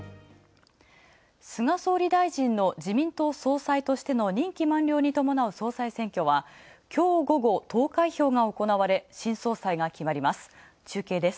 菅総理大臣の自民党総裁選としての任期満了に伴うきょう午後、投開票が行われ新総裁が決まります。